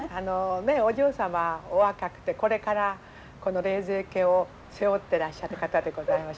お嬢様お若くてこれからこの冷泉家を背負ってらっしゃる方でございましょうかね。